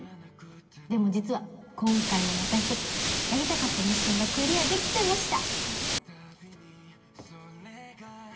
でも実は今回もまた１つやりたかったミッションがクリアできちゃいました。